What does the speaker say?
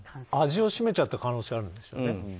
味を占めちゃった可能性があるんですよね。